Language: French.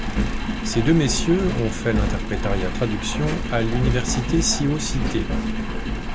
Ces deux messieurs ont fait l'Interprétariat-Traduction à l'Université ci-haut citée.